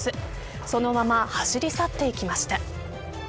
そのまま走り去っていきました。